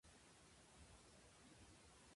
De veritat no troba cap feina?